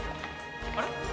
あれ？